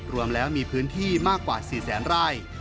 รวมแล้วมีพื้นที่มากกว่า๔แสนไร่